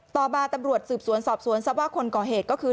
ต่อมาตำรวจสืบสวนสอบสวนทรัพย์ว่าคนก่อเหตุก็คือ